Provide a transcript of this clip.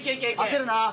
焦るな。